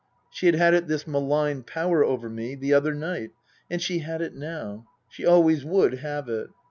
She had had it, this malign power over me, the other night, and she had it now. She always would have it.